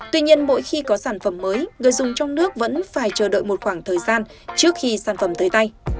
tuy nhiên mỗi khi có sản phẩm mới người dùng trong nước vẫn phải chờ đợi một khoảng thời gian trước khi sản phẩm tới tay